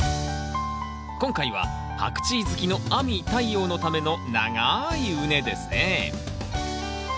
今回はパクチー好きの亜美・太陽のための長い畝ですね。